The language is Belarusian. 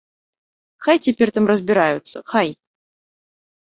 Хай цяпер там разбіраюцца, хай!